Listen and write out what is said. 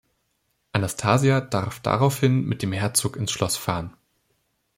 Anastasia darf daraufhin mit dem Herzog ins Schloss fahren.